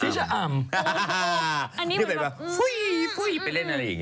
อันนี้เหมือนแบบฟุ้ยไปเล่นอะไรอย่างนี้